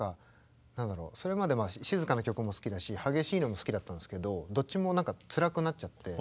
それまで静かな曲も好きだし激しいのも好きだったんですけどどっちもつらくなっちゃって。